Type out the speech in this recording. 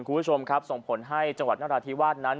คุณผู้ชมครับส่งผลให้จังหวัดนราธิวาสนั้น